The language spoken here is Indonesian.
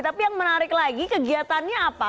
tapi yang menarik lagi kegiatannya apa